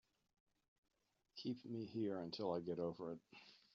Keep me here until I get over it.